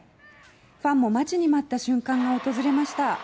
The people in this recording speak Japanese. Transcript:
ファンも待ちに待った瞬間が訪れました。